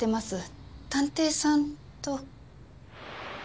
探偵さんと。